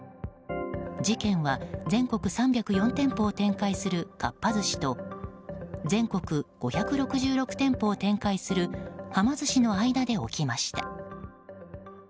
事件は全国３０４店舗を展開するかっぱ寿司と全国５６６店舗を展開するはま寿司の間で起きました。